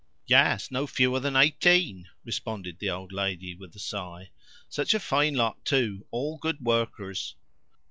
"Yes; no fewer than eighteen," responded the old lady with a sigh. "Such a fine lot, too all good workers!